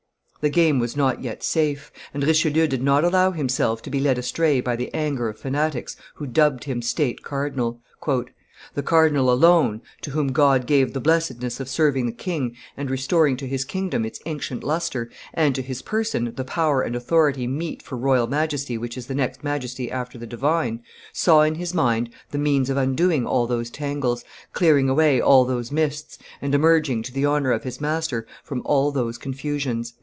The game was not yet safe; and Richelieu did not allow himself to be led astray by the anger of fanatics who dubbed him State Cardinal. "The cardinal alone, to whom God gave the blessedness of serving the king and restoring to his kingdom its ancient lustre, and to his person the power and authority meet for royal Majesty which is the next Majesty after the divine, saw in his mind the means of undoing all those tangles, clearing away all those mists, and emerging to the honor of his master from all those confusions."